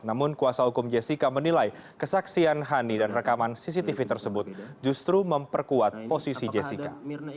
namun kuasa hukum jessica menilai kesaksian hani dan rekaman cctv tersebut justru memperkuat posisi jessica